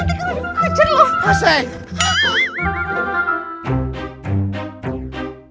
nanti kalau dikacauin loh